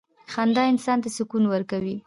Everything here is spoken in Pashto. • خندا انسان ته سکون ورکوي.